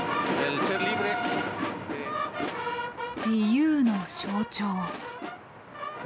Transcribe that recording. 自由の象徴。